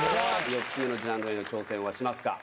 ４つ目のジャンルへの挑戦はしますか？